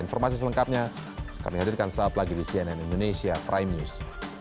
informasi selengkapnya kami hadirkan saat lagi di cnn indonesia prime news